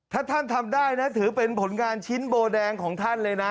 ถ้าท่านทำได้นะถือเป็นผลงานชิ้นโบแดงของท่านเลยนะ